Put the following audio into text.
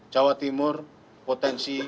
jawa timur potensi